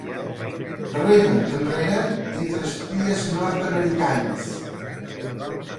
Rema enrere entre espies nord-americans.